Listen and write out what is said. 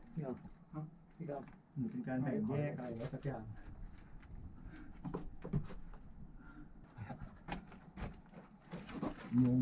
เป็นการแตกแยกอะไรแล้วสักอย่าง